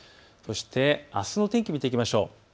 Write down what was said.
あすの天気見ていきましょう。